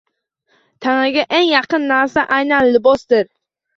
Tanaga eng yaqin narsa aynan libosdir.